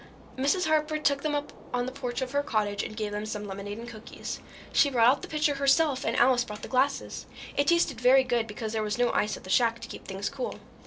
Mrs. Harper took them up on the porch of her cottage and gave them some lemonade and cookies. She brought out the pitcher herself and Alice brought the glasses. It tasted very good because there was no ice at the shack to keep things cool.